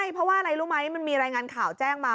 เพราะว่าอะไรรู้ไหมมันมีรายงานข่าวแจ้งมา